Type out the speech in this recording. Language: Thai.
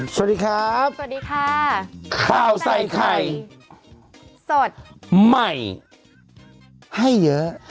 สวัสดีครับสวัสดีค่ะข้าวใส่ไข่สดใหม่ให้เยอะ